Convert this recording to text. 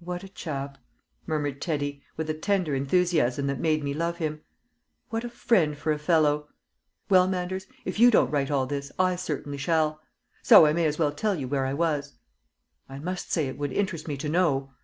"What a chap!" murmured Teddy, with a tender enthusiasm that made me love him. "What a friend for a fellow! Well, Manders, if you don't write all this I certainly shall. So I may as well tell you where I was." "I must say it would interest me to know."